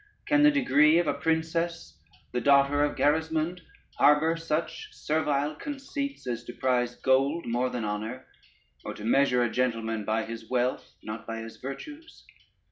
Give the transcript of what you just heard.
can the degree of a princess, the daughter of Gerismond harbor such servile conceits, as to prize gold more than honor, or to measure a gentleman by his wealth, not by his virtues?